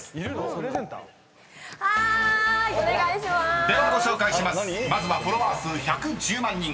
［そしてフォロワー数１３０万人］